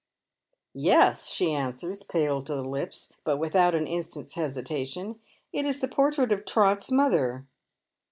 " Yes," she answers, pale to the lips, but without an instant's hesitation, " it is the portrait of Trot's mother.